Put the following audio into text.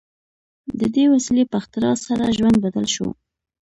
د دې وسیلې په اختراع سره ژوند بدل شو.